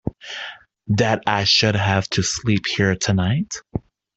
That I should have to sleep here tonight!